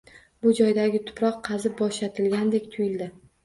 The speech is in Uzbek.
Bu joydagi tuproq qazib bo‘shatilgandek tuyuldi